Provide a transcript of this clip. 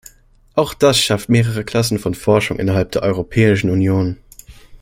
Auch das schafft mehrere Klassen von Forschung innerhalb der Europäischen Union.